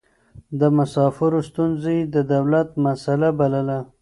د مسافرو ستونزې يې د دولت مسئله بلله.